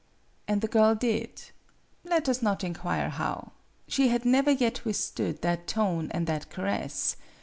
And the girl did. Let us not inquire how. She had never yet withstood that tone and that caress.